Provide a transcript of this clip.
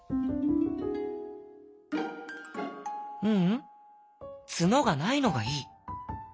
「ううんツノがないのがいい」。